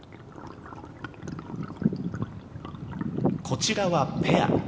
こちらはペア。